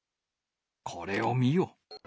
これを見よ。